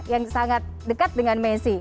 yang sangat dekat dengan messi